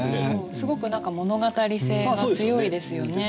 すごく物語性が強いですよね。